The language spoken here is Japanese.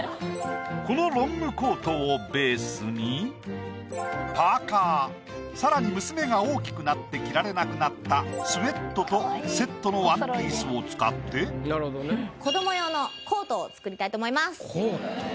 このロングコートをベースにパーカーさらに娘が大きくなって着られなくなったスエットとセットのワンピースを使って。を作りたいと思います。